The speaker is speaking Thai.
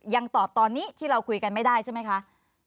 ยังตอบตอนนี้ที่เราคุยกันไม่ได้ใช่ไหมคะ